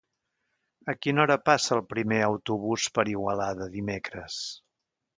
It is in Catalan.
A quina hora passa el primer autobús per Igualada dimecres?